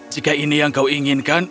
jika ini yang kau inginkan